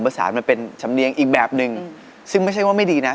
เพราะว่าเพราะว่าเพราะว่าเพราะ